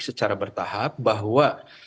secara bertahap bahwa